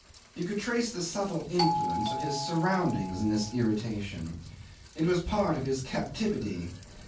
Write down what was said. You could trace the subtle influence of his surroundings in this irritation. It was part of his captivity.